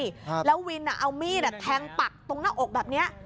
ครับแล้ววินอ่ะเอามีดอ่ะแทงปักตรงหน้าอกแบบเนี้ย